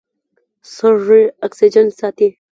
سږي اکسیجن ساتي.